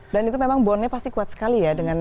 dan itu memang bondnya pasti kuat sekali ya